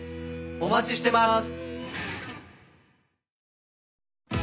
お待ちしてます。